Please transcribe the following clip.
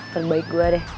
terbaik gue deh